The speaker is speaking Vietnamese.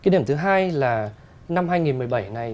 điểm thứ hai là năm hai nghìn một mươi bảy này